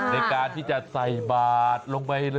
ในการที่จะใส่บาทลงไป